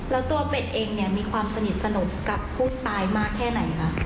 แล้วตัวเป็ดเองเนี่ยมีความสนิทสนมกับผู้ตายมากแค่ไหนคะ